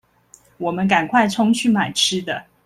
我們趕快衝去買吃的